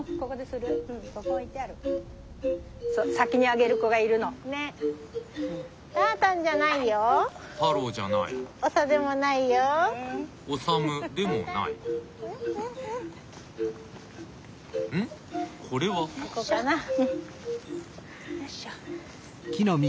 ここかな。